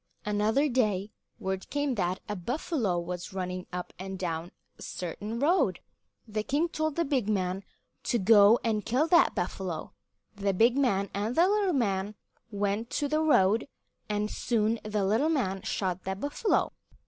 Another day word came that a buffalo was running up and down a certain road. The king told the big man to go and kill that buffalo. The big man and the little man went to the road, and soon the little man shot the buffalo.